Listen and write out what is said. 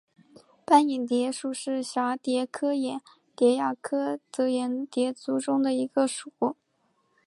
斑眼蝶属是蛱蝶科眼蝶亚科帻眼蝶族中的一个属。